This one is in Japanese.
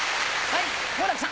はい。